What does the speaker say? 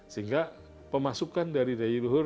sehingga pemasukan dari day luhur